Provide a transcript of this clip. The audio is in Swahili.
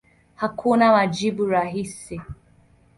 Hakuna majibu rahisi.